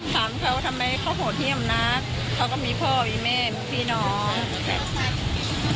ถามเขาว่าทำไมเขาโหดเยี่ยมนักเขาก็มีพ่อมีแม่มีพี่น้อง